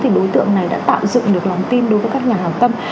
thì đối tượng này đã tạo dựng được lòng tin đối với các nhà hào tâm